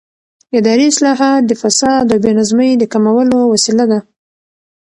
اداري اصلاحات د فساد او بې نظمۍ د کمولو وسیله دي